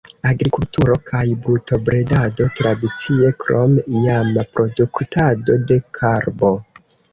Agrikulturo kaj brutobredado tradicie, krom iama produktado de karbo.